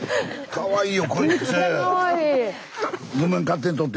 かわいい。